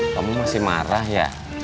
kamu masih marah ya